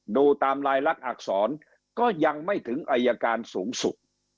ดูตามลายลักษณอักษรก็ยังไม่ถึงอายการสูงสุด